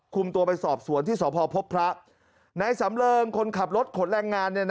คุมตัวไปสอบสวนที่สภพพพระนายสำเริงคนขับรถขนแรงงานเนี่ยนะ